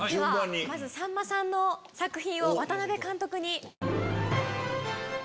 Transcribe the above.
まずさんまさんの作品を渡辺監督に。